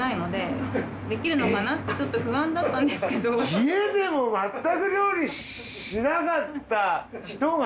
家でもまったく料理しなかった人が。